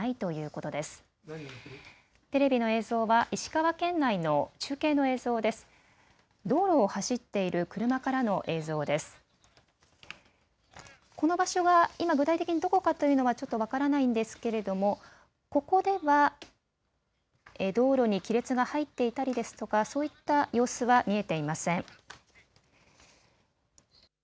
この場所が今、具体的にどこかというのはちょっと分からないんですけれども、ここでは道路に亀裂が入っていたりですとか、そういった様子は見えていません。